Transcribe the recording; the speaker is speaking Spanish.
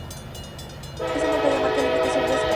Esta montaña marca el límite sur de Escazú.